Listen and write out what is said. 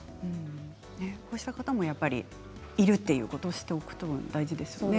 こうした方もいるということを知っておくことも大事ですね。